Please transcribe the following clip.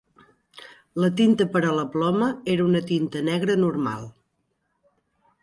La tinta per a la ploma era una tinta negra normal.